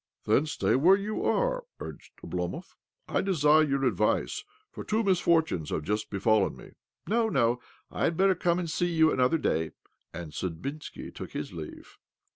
" Then stay where you are," urged Oblomov. " I desire your advice, for two misfortunes have just befallen me." " No, no ; I had better come and' see you another day." And Sudbinski took his leave